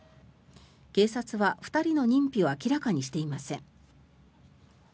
警察は２人の認否を明らかにしていません。